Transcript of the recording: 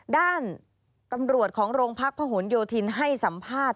ด้านตำรวจของโรงพักพะหนโยธินให้สัมภาษณ์